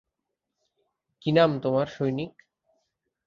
কী নাম তোমার, সৈনিক?